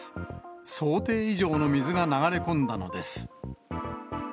想定以上の水が流れ込んだのです。